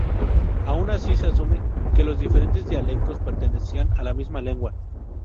Aun así, se asume que los diferentes dialectos pertenecían a la misma lengua.